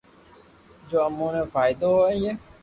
جو امو نو فائدو ھوئي